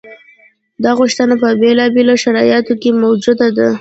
دا غوښتنه په بېلابېلو شرایطو کې موجوده ده.